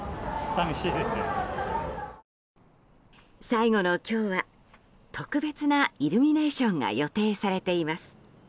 最後の今日は特別なイルミネーションが予定されています。